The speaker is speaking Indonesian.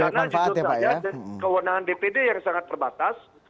karena justru saja kewenangan dpd yang sangat perbatas